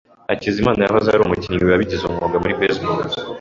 Hakizimana yahoze ari umukinnyi wabigize umwuga wa baseball.